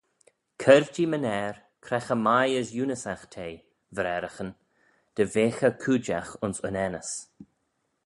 Cur-jee my-ner, cre cha mie as eunyssagh te: vraaraghyn, dy vaghey cooidjagh ayns unnaneys.